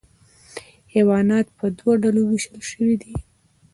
حیوانات په دوه ډلو ویشل شوي دي